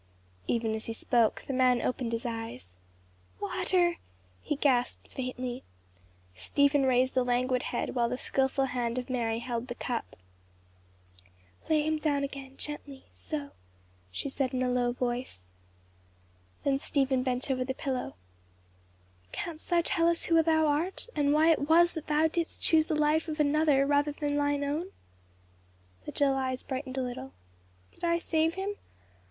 Even as he spoke, the man opened his eyes. "Water!" he gasped faintly. Stephen raised the languid head while the skilful hand of Mary held the cup. "Lay him down again, gently so," she said in a low voice. Then Stephen bent over the pillow. "Canst thou tell us who thou art, and why it was that thou didst choose the life of another rather than thine own?" The dull eyes brightened a little, "Did I save him?